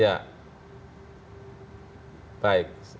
dan masih merebut